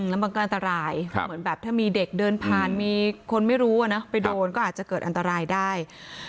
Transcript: แล้วมันก็อันตรายเหมือนแบบถ้ามีเด็กเดินผ่านมีคนไม่รู้ไปโดนก็อาจจะเกิดอันตรายได้